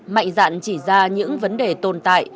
mạnh dạn chỉ ra những vấn đề tồn tại